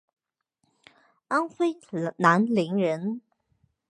安徽南陵人。